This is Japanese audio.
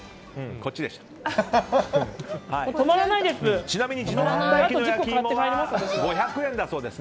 これ、止まらないです。